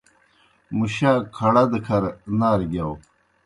مُشاک کھڑہ دہ کھر نارہ گِیاؤ۔